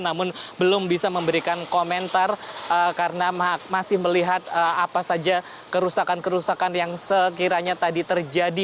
namun belum bisa memberikan komentar karena masih melihat apa saja kerusakan kerusakan yang sekiranya tadi terjadi